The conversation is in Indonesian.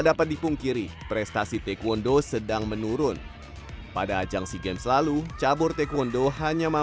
dapat dipungkiri prestasi taekwondo sedang menurun pada ajang si game selalu cabur taekwondo hanya